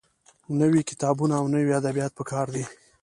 نوي کتابونه او نوي ادبيات پکار دي.